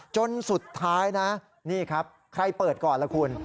จนสุดท้ายนะนี่ครับใครเปิดก่อนล่ะคุณ